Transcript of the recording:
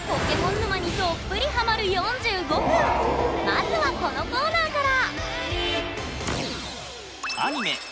きょうはまずはこのコーナーから！